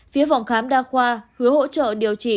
phía phòng khám đa khoa hứa hỗ trợ điều trị